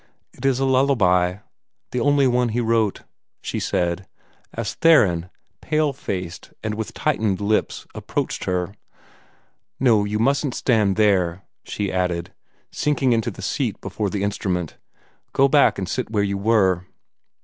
"It is a lullaby the only one he wrote," she said, as Theron, pale faced and with tightened lips, approached her. "No you mustn't stand there," she added, sinking into the seat before the instrument; "go back and sit where you were."